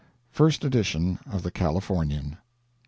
'First Edition of the Californian.'